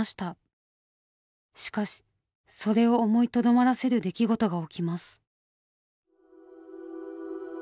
しかしそれを思いとどまらせる出来事が起きます。